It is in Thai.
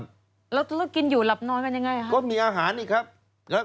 แล้วกินอยู่หลับน้อยมันยังไงครับก็มีอาหารอีกครับ